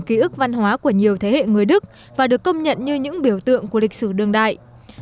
ký ức văn hóa của nhiều thế hệ người đức và được công nhận như những biểu tượng của lịch sử đường đại